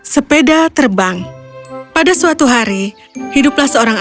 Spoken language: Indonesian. cerita dalam bahasa indonesia